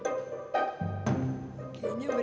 garipun tidaknya tempat ini sekarang saja sadar